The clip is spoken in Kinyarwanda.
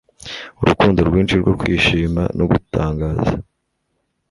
Urukundo rwinshi rwo kwishima no gutangaza